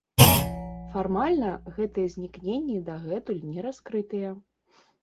Фармальна, гэтыя знікненні дагэтуль не раскрытыя.